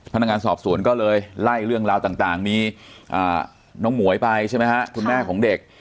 พนักงานสอบสวนก็เลยไล่เรื่องราวต่างมีน้องหมวยไปใช่ไหมฮะคุณแม่ของเด็ก